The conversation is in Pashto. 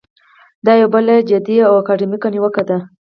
دا یوه بله جدي او اکاډمیکه نیوکه ده.